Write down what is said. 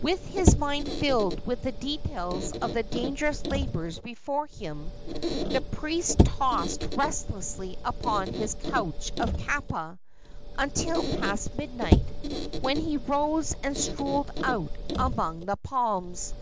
With his mind filled with the details of the dangerous labors before him, the priest tossed restlessly upon his couch of kapa until past midnight, when he rose and strolled out among the palms.